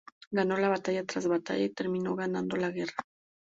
Ganó batalla tras batalla y terminó ganando la guerra.